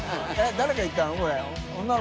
┐誰が行ったの？